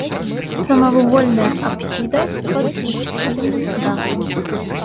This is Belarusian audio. Прамавугольная апсіда пад двухсхільным дахам.